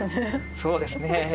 そうですね。